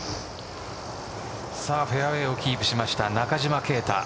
フェアウエーをキープした中島啓太。